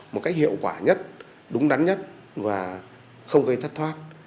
một cách hiệu quả nhất đúng đắn nhất và không gây thất thoát